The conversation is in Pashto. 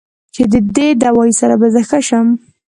چې د دې دوائي سره به زۀ ښۀ شم